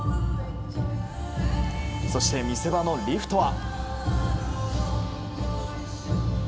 そして見せ場のリフトは。